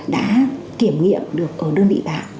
đã kiểm nghiệm được ở đơn vị bạn